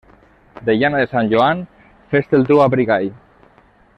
De llana de Sant Joan fes el teu abrigall.